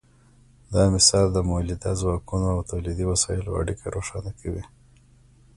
دا مثال د مؤلده ځواکونو او تولیدي وسایلو اړیکه روښانه کوي.